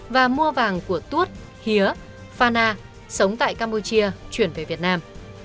và mua vàng của tuốt hía phan a sống tại campuchia chuyển về việt nam